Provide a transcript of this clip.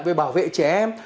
với bảo vệ trẻ em